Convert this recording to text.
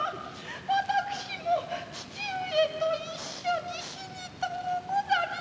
私も父上と一緒に死にとうござりまする。